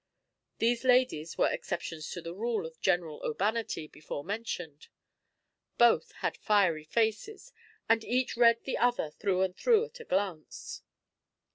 These ladies were exceptions to the rule of general urbanity before mentioned. Both had fiery faces, and each read the other through and through at a glance.